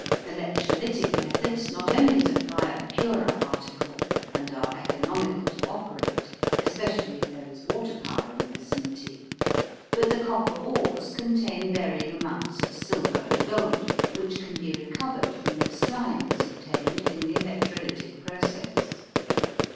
Electrolytic methods not only supply a purer article and are economical to operate, especially if there is water power in the vicinity, but the copper ores contain varying amounts of silver and gold which can be recovered from the slimes obtained in the electrolytic process.